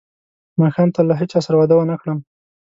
ماښام ته له هیچا سره وعده ونه کړم.